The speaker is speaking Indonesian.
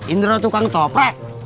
indro tukang toprek